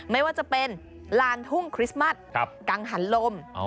ไม่ว่าจะเป็นลานทุ่งคริสต์มัสกังหันลม